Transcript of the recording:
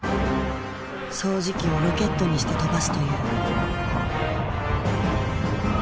掃除機をロケットにして跳ばすという。